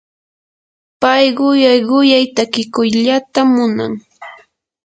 pay quyay quyay takikuyllatam munan.